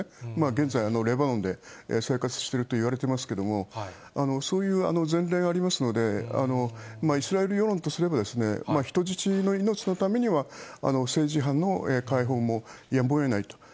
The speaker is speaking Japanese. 現在、レバノンで生活してるといわれてますけれども、そういう前例がありますので、イスラエル世論とすれば、人質の命のためには、政治犯の解放もやむをえないと。